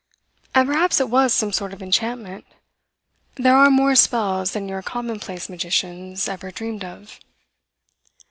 And perhaps it was some sort of enchantment. There are more spells than your commonplace magicians ever dreamed of.